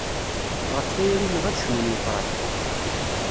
Ɣef tayri-nneɣ ad cnun yefrax.